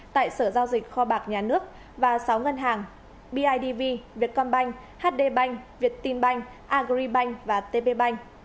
tại sở giao dịch kho bạc nhà nước và sáu ngân hàng bidv vietcom bank hd bank viettin bank agribank và tp bank